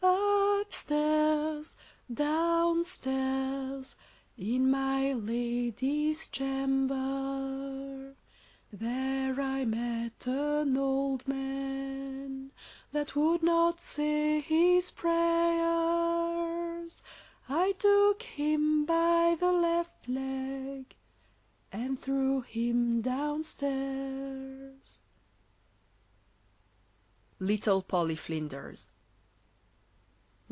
Up stairs, down stairs, In my lady's chamber. There I met an old man That would not say his prayers; I took him by the left leg, And threw him down stairs. [Illustration: LITTLE POLLY FLINDERS.